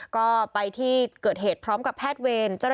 ก็ไปที่เกิดเหตุพร้อมกับแพทย์เวร